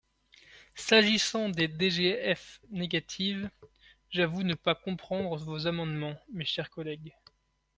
S’agissant des DGF négatives, j’avoue ne pas comprendre vos amendements, mes chers collègues.